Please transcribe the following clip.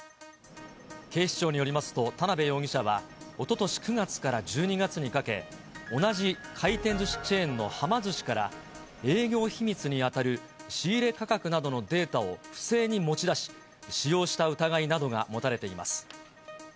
警視庁によりますと、田辺容疑者は、おととし９月から１２月にかけ、同じ回転ずしチェーンのはま寿司から、営業秘密に当たる仕入れ価格などのデータを不正に持ち出し、使用した疑いなどが持たれています。